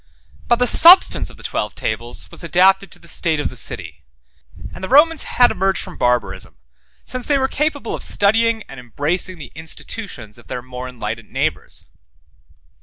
But the substance of the Twelve Tables was adapted to the state of the city; and the Romans had emerged from Barbarism, since they were capable of studying and embracing the institutions of their more enlightened neighbors.